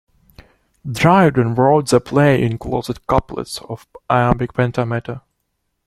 Dryden wrote the play in closed couplets of iambic pentameter.